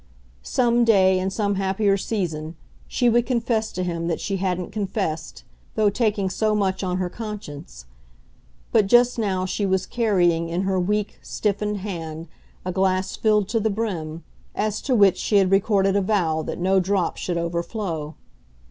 Some day in some happier season, she would confess to him that she hadn't confessed, though taking so much on her conscience; but just now she was carrying in her weak, stiffened hand a glass filled to the brim, as to which she had recorded a vow that no drop should overflow.